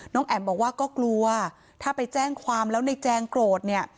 แอ๋มบอกว่าก็กลัวถ้าไปแจ้งความแล้วในแจงโกรธเนี่ย